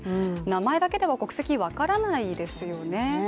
名前だけでは国籍、分からないですよね。